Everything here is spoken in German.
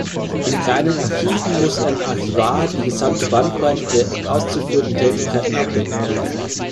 In kleinen Archiven muss ein Archivar die gesamte Bandbreite der auszuführenden Tätigkeiten abdecken.